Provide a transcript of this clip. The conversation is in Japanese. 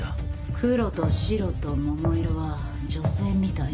黒と白と桃色は女性みたいね。